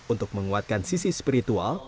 untuk menguatkan sisi spiritual